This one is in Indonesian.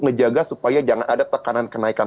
menjaga supaya jangan ada tekanan kenaikan